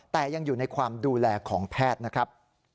แต่ยังอยู่ในความดูแลของแพทย์นะครับ